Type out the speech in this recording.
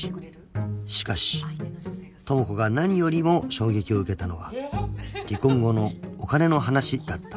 ［しかし智子が何よりも衝撃を受けたのは離婚後のお金の話だった］